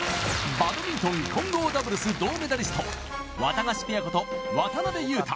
バドミントン混合ダブルス銅メダリストわたがしペアこと渡辺勇大